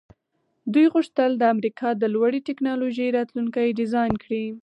دوی غوښتل د امریکا د لوړې ټیکنالوژۍ راتلونکی ډیزاین کړي